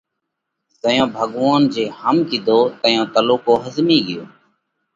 زئيون ڀڳوونَ جِي هم ڪِيڌو تئيون تلُوڪو ۿزمي ڳيو